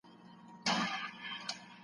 ماشومان له هغه ځایه وېرېږي تل.